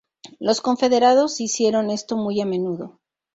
Los confederados hicieron esto muy a menudo.